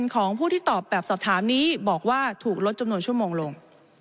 ของผู้ที่ตอบแบบสอบถามนี้บอกว่าถูกลดจำนวนชั่วโมงลง